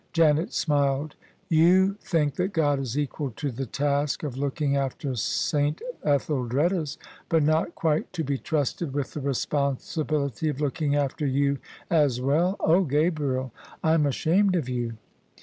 " Janet smiled. " You think that Gfod is equal to the task of looking after S. Etheldreda's, but not quite to be trusted with the responsibility of looking after you as well? Oh, Gabriel, Tm ashamed of you!